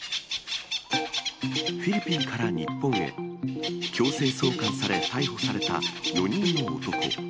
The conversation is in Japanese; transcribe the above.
フィリピンから日本へ、強制送還され、逮捕された４人の男。